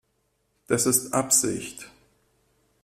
Das ist Absicht.